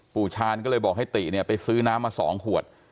ภูชาญก็เลยบอกให้ตีไปซื้อน้ำมา๒ขวด